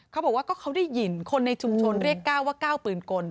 เขาบอกว่าก็เขาได้ยินคนในชุมชนเรียกก้าวว่าก้าวปืนกล